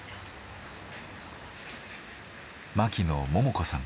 牧野桃子さん